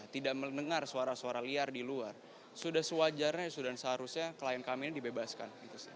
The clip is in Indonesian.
tidak mendengar suara suara liar di luar sudah sewajarnya sudah seharusnya klien kami ini dibebaskan